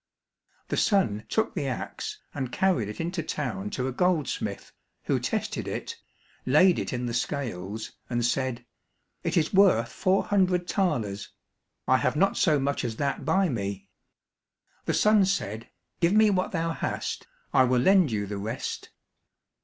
The son took the axe, and carried it into town to a goldsmith, who tested it, laid it in the scales, and said, "It is worth four hundred thalers, I have not so much as that by me." The son said, "Give me what thou hast, I will lend you the rest."